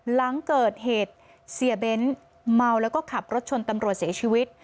หลังเกิดเหตุเสียเบ้นเมาแล้วก็ขับรถชนตำรวจเสียชีวิต